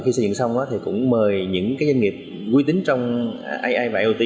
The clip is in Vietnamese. khi xây dựng xong thì cũng mời những cái doanh nghiệp quy tín trong ai và iot